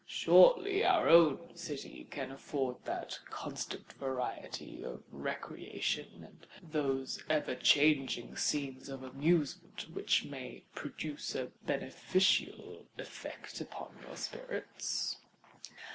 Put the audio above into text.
"Surely our own city can afford that constant variety of recreation and those ever changing scenes of amusement, which may produce a beneficial effect upon your spirits."